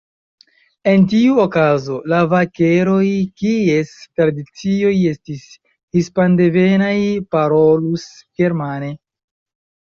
En tiu okazo, la vakeroj, kies tradicioj estis hispandevenaj, parolus germane.